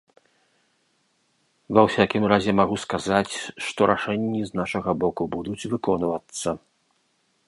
Ва ўсякім разе, магу сказаць, што рашэнні з нашага боку будуць выконвацца.